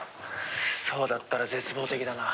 そうだったら絶望的だな。